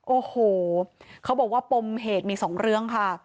โอ้โหเขาบอกว่าปมเหตุมีสองเรื่องค่ะ